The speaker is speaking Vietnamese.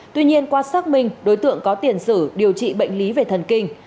tuy nhiên qua xác minh đối tượng có tiền sử điều trị bệnh lý về thần kinh